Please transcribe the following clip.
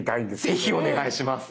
ぜひお願いします。